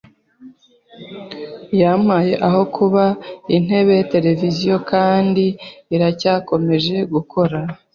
yampaye aho kuba , intebe, televiziyo kandi iracyakomeje gukora